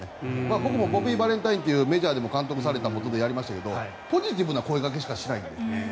僕もボビー・バレンタインというメジャーでも監督されたところでやりましたがポジティブな声掛けしかしないんです。